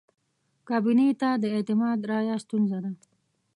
کابینې ته د اعتماد رایه ستونزه ده.